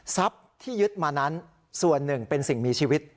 ที่ยึดมานั้นส่วนหนึ่งเป็นสิ่งมีชีวิต